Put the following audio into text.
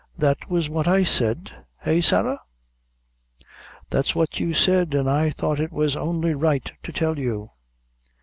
"That was what I said? eh, Sarah?" "That's what you said, an' I thought it was only right to tell you."